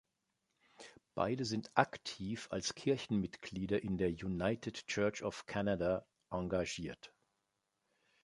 Beide sind aktiv als Kirchenmitglieder in der "United Church of Canada" engagiert.